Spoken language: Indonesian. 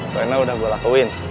trainer udah gua lakuin